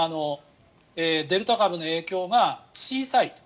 デルタ株の影響が小さいと。